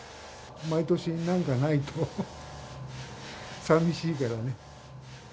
毎年、なんかないとさみしいからね。